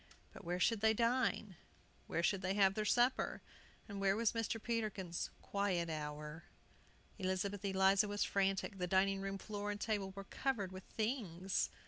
But where should they dine? where should they have their supper? and where was Mr. Peterkin's "quiet hour"? Elizabeth Eliza was frantic; the dining room floor and table were covered with things.